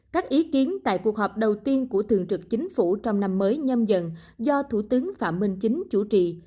các ý kiến tại cuộc họp đầu tiên của thường trực chính phủ trong năm mới nhâm dần do thủ tướng phạm minh chính chủ trì